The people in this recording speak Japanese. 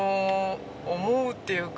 思うっていうか